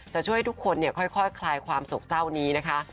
จะช่วยทุกคนเนี่ยค่อยคลายความสกเจ้านี้นะคะ